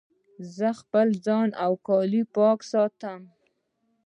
زه خپل ځان او کالي پاک ساتم.